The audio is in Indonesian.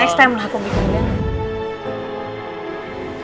next time lah aku bikin